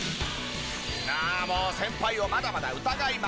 ああもう先輩をまだまだ疑いまくり！